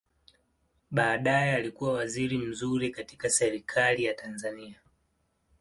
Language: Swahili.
Baadaye alikua waziri mzuri katika Serikali ya Tanzania.